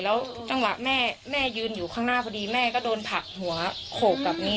แล้วจังหวะแม่แม่ยืนอยู่ข้างหน้าพอดีแม่ก็โดนผักหัวโขกแบบนี้